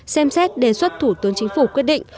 xem xét đề xuất thủ tướng chính phủ quyết định